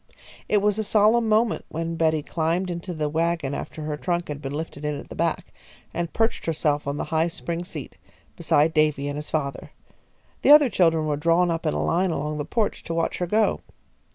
It was a solemn moment when Betty climbed into the wagon after her trunk had been lifted in at the back, and perched herself on the high spring seat, beside Davy and his father. The other children were drawn up in a line along the porch, to watch her go.